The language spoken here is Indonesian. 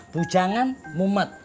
bu jangan mumet